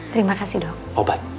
terima kasih dok